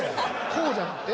こうじゃなくて？